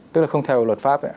tức là không theo luật pháp